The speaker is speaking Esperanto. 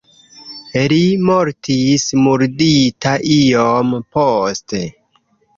Li mortis murdita iom poste.